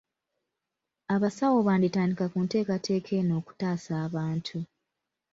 Abasawo banditandika ku nteekateeka eno okutaasa abantu.